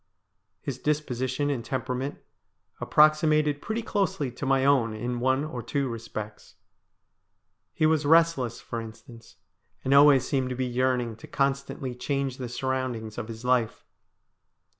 His disposition and temperament approxi mated pretty closely to my own in one or two respects. He was restless, for instance, and always seemed to be yearning to constantly change the surroundings of his life.